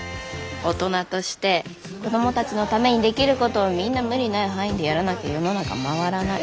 大人として子供たちのためにできることをみんな無理ない範囲でやらなきゃ世の中回らない。